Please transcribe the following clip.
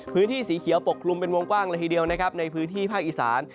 พื้นที่สีเขียวปกคลุมเป็นวงกว้างละทีเดียวนะครับในพื้นที่ภาคอีสาน